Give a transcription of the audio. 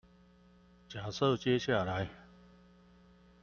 假設接下來